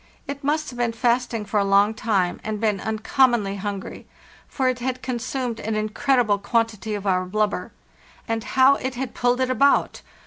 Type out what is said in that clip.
It must have been fasting for a long time and been uncommonly hungry; for it had consumed an incredible quantity of our blubber. And how it had pulled it about!